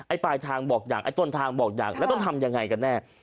ปลายทางบอกอย่างไอ้ต้นทางบอกอย่างแล้วต้องทำยังไงกันแน่